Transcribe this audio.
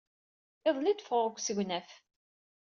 Iḍelli ay d-ffɣeɣ seg usegnaf.